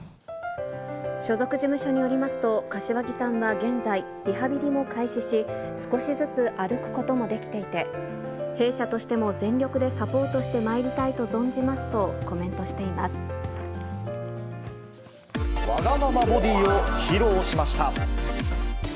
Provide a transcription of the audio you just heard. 所属事務所によりますと、柏木さんは現在、リハビリも開始し、少しずつ歩くこともできていて、弊社としても全力でサポートしてまいりたいと存じますとコメントわがままボディーを披露しま